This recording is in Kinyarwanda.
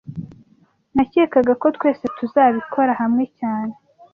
Nakekaga ko twese tuzabikora hamwe cyane